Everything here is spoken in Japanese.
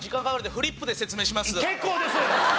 結構です！